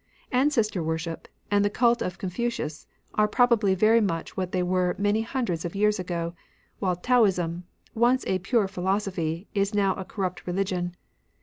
Ancestor worship, and the cult of Confucius, are probably very much what they were many hundreds of years ago ; while Taoism, once a pure philosophy, is now a corrupt religion.